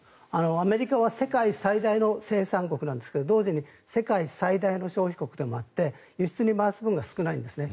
アメリカは世界最大の生産国なんですけど同時に世界最大の消費国でもあって輸出に回す分が少ないんですね。